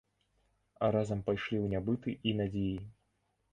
А разам пайшлі ў нябыт і надзеі.